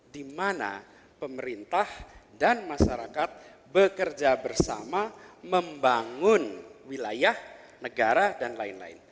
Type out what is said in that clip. di mana pemerintah dan masyarakat bekerja bersama membangun wilayah negara dan lain lain